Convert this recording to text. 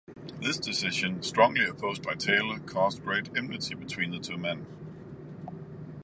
This decision, strongly opposed by Taylor, caused great enmity between the two men.